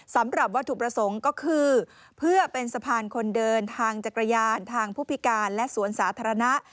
สำหรับวัตถุประสงค์ก็คือเพื่อเป็นสะพานคนเดินทางจักรยานทางผู้พิการและสวนสาธารณะ